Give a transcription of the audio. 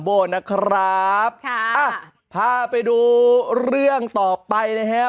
สกิดยิ้ม